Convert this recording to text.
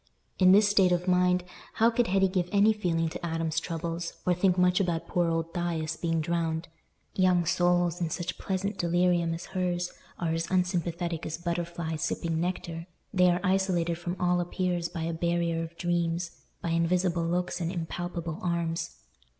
In this state of mind, how could Hetty give any feeling to Adam's troubles, or think much about poor old Thias being drowned? Young souls, in such pleasant delirium as hers are as unsympathetic as butterflies sipping nectar; they are isolated from all appeals by a barrier of dreams—by invisible looks and impalpable arms.